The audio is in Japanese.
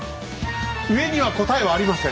上には答えはありません。